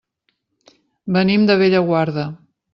Venim de Bellaguarda.